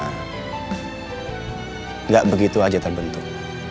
tidak begitu saja terbentuk